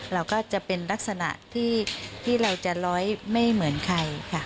เราก็จะเป็นลักษณะที่เราจะร้อยไม่เหมือนใครค่ะ